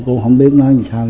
cũng không biết nói sao